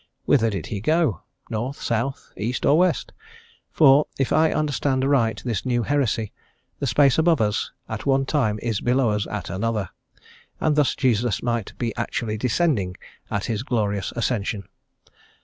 Whither did He go? North, south, east, or west? For, if I understand aright this new heresy, the space above us at one time is below us at another, and thus Jesus might be actually descending at His glorious Ascension.